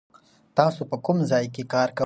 تاسو په کوم ځای کې کار کوئ؟